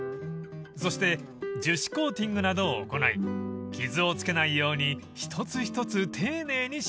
［そして樹脂コーティングなどを行い傷をつけないように一つ一つ丁寧に仕上げていきます］